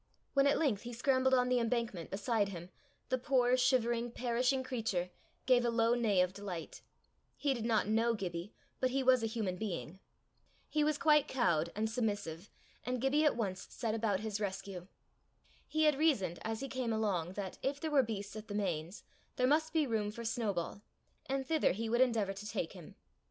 When at length he scrambled on the embankment beside him, the poor, shivering, perishing creature gave a low neigh of delight: he did not know Gibbie, but he was a human being. He was quite cowed and submissive, and Gibbie at once set about his rescue. He had reasoned as he came along that, if there were beasts at the Mains, there must be room for Snowball, and thither he would endeavour to take him.